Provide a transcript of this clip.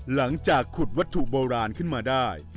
หลังจากขุดวัตถุโบราณขึ้นมาได้